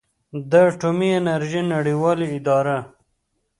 د اټومي انرژۍ نړیواله اداره